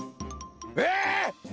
えっ！？